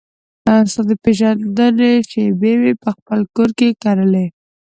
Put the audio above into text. ستا د پیژندنې شیبې مې پخپل کور کې کرلې